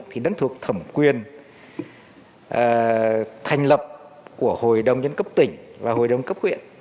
thì nó thuộc thẩm quyền thành lập của hội đồng nhân cấp tỉnh và hội đồng cấp huyện